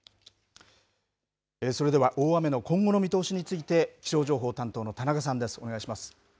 それでは大雨の今後の見通しについて、気象情報担当の田中さんです。